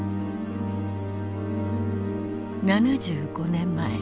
７５年前。